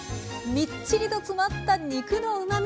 みっちりと詰まった肉のうまみ。